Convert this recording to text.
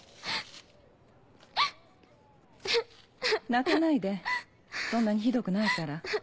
泣かないでそんなにひどくないから。